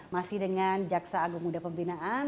masih dengan jaksa agung muda pembinaan